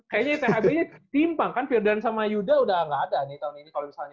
kayaknya thb nya timpang kan firdaan sama yuda udah gak ada nih tahun ini kalau misalnya